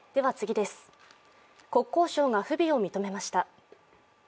国交省が不備を認めました。